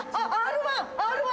Ｒ−１！